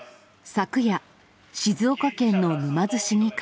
昨夜、静岡県の沼津市議会。